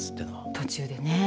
途中でね。